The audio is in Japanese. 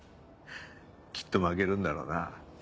きっと負けるんだろうな。